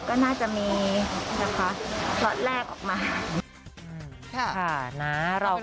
ก็น่าจะมีนะคะช็อตแรกออกมา